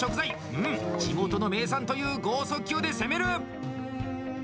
うん、地元の名産という剛速球で攻める！